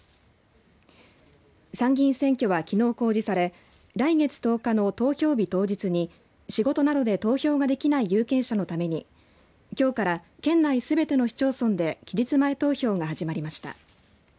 参議院選挙は、きのう公示され来月１０日の投票日当日に仕事などで投票ができない有権者のためにきょうから県内すべての市町村で期日前投票が始まりました。